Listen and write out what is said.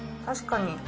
確かに。